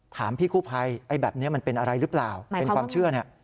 ถามพี่กู้ภัยไอ้แบบนี้มันเป็นอะไรหรือเปล่าเป็นความเชื่อเนี่ย